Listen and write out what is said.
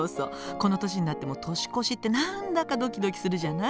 この年になっても年越しって何だかドキドキするじゃない？